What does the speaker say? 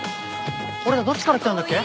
俺らどっちから来たんだっけ？